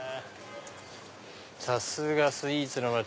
さすがスイーツの街